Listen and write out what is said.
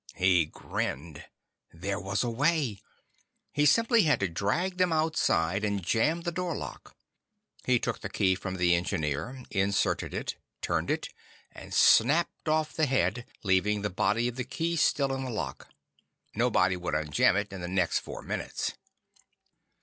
He grinned. There was a way. He simply had to drag them outside and jam the door lock. He took the key from the Engineer, inserted it, turned it, and snapped off the head, leaving the body of the key still in the lock. Nobody would unjam it in the next four minutes.